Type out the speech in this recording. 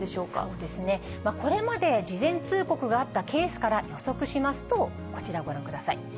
そうですね、これまで事前通告があったケースから予測しますと、こちらご覧ください。